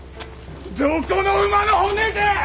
どこの馬の骨じゃ！